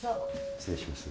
失礼します。